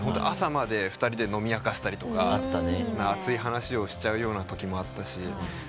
朝まで２人で飲み明かしたりとか熱い話をしちゃうようなときもあったし。